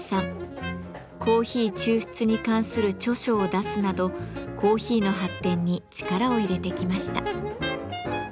コーヒー抽出に関する著書を出すなどコーヒーの発展に力を入れてきました。